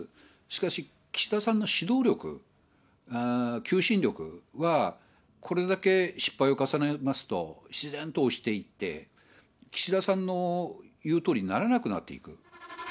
しかし、岸田さんの指導力、求心力は、これだけ失敗を重ねますと、自然と落ちていって、岸田さんの言うとおりにならなくなっていく。